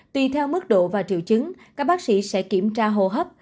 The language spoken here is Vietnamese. tùy theo mức độ và triệu chứng các bác sĩ sẽ kiểm tra hồ hấp